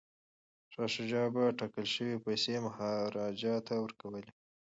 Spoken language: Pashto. شاه شجاع به ټاکل شوې پیسې مهاراجا ته ورکوي.